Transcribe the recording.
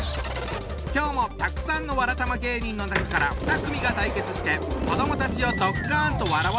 今日もたくさんのわらたま芸人の中から２組が対決して子どもたちをドッカンと笑わせちゃうぞ！